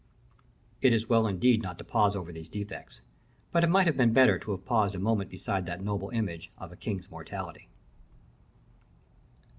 " It is well, indeed, not to pause over these defects; but it might have been better to have paused a moment beside that noble image of a king's mortality.